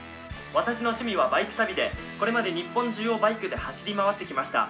私の趣味はバイク旅でこれまで日本中をバイクで走り回ってきました。